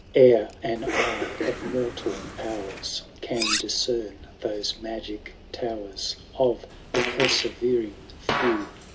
55 Ere an eye of mortal powen Can discern those magic towen. Of the perseyering few.